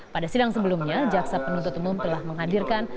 pada sidang sebelumnya jaksa penuntut umum telah menghadirkan